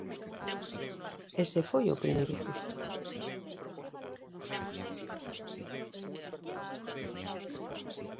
Ese foi o primeiro susto.